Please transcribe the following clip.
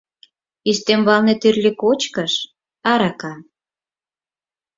Ӱстембалне тӱрлӧ кочкыш, арака.